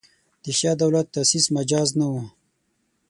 د شیعه دولت تاسیس مجاز نه وو.